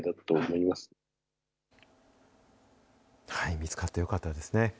見つかってよかったですね。